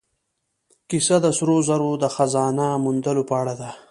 کیسه د سرو زرو د خزانه موندلو په اړه ده.